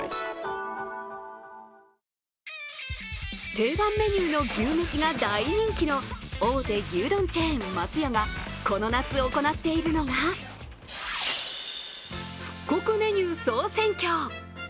定番メニューの牛めしが大人気の大手牛丼チェーン・松屋が行っているのがこの夏、行っているのが復刻メニュー総選挙。